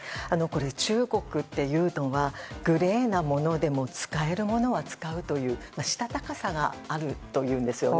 中国っていうのはグレーなものでも使えるものは使うというしたたかさがあるというんです。